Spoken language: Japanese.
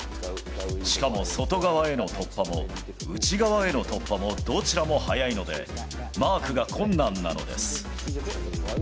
しかも外側への突破も、内側への突破もどちらも速いので、マークが困難なのです。